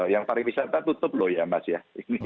yang tarik pisah kita tutup loh ya mas ya